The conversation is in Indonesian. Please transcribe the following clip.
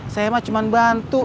saya mah cuma bantu